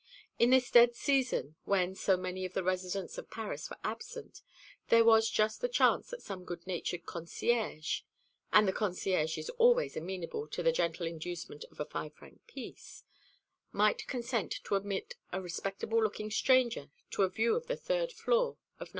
In this dead season, when so many of the residents of Paris were absent, there was just the chance that some good natured concierge and the concierge is always amenable to the gentle inducement of a five franc piece might consent to admit a respectable looking stranger to a view of the third floor of No.